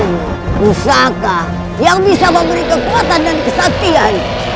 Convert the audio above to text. pusaka yang bisa memberi kekuatan dan kesaktian